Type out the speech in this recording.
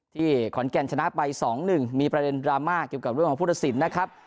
ที่ขอนแก่นชนะไปสองหนึ่งมีประเด็นดราม่าเกี่ยวกับเรื่องของผู้ตัดสินนะครับ